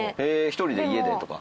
１人で家でとか？